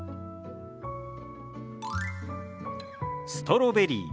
「ストロベリー」。